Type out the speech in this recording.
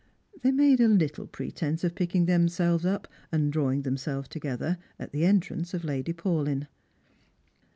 They made a little pretence of picking them selves up, and drawing themselves together, at the entrance of Lady Paulyn.